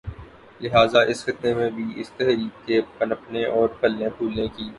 لہٰذا اس خطے میں بھی اس تحریک کے پنپنے اور پھلنے پھولنے کے